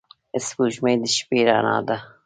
• سپوږمۍ د شپې رڼا ده.